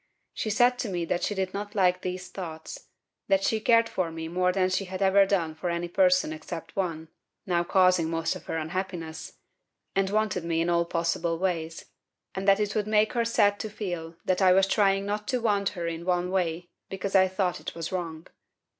She said to me that she did not like these thoughts, that she cared for me more than She had ever done for any person except one (now causing most of her unhappiness), and wanted me in all possible ways, and that it would make her sad to feel that I was trying not to want her in one way because I thought it was wrong.